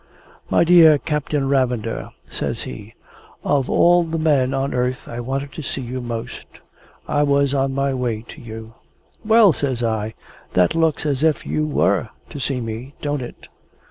"My dear Captain Ravender," says he. "Of all the men on earth, I wanted to see you most. I was on my way to you." "Well!" says I. "That looks as if you were to see me, don't it?"